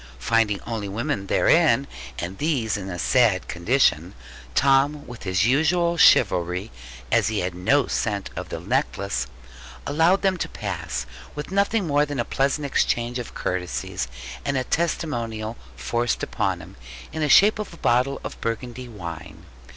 Finding only women therein, and these in a sad condition, Tom with his usual chivalry (as he had no scent of the necklace) allowed them to pass; with nothing more than a pleasant exchange of courtesies, and a testimonial forced upon him, in the shape of a bottle of Burgundy wine.